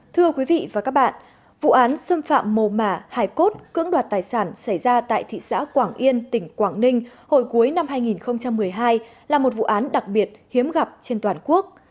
thưa quý vị và các bạn vụ án xâm phạm mồ mả hải cốt cưỡng đoạt tài sản xảy ra tại thị xã quảng yên tỉnh quảng ninh hồi cuối năm hai nghìn một mươi hai là một vụ án đặc biệt hiếm gặp trên toàn quốc